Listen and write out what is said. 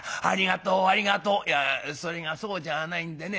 「いやそれがそうじゃあないんでね。